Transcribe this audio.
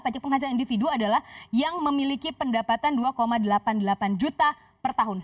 pajak penghasilan individu adalah yang memiliki pendapatan dua delapan puluh delapan juta per tahun